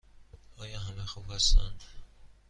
آیا همه خوب هستند؟